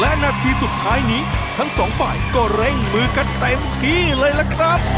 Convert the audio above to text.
และนาทีสุดท้ายนี้ทั้งสองฝ่ายก็เร่งมือกันเต็มที่เลยล่ะครับ